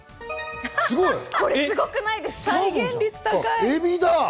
これ、すごくないですか？